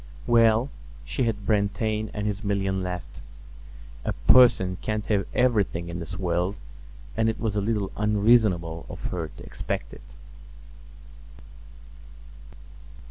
Well, she had Brantain and his million left. A person can't have everything in this world; and it was a little unreasonable of her to expect it.